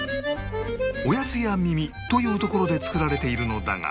おやつやみみという所で作られているのだが